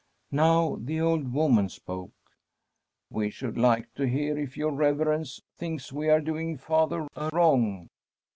Now the old woman spoke : *We should like to hear if your Reverence thinks we are doing father a wrong.'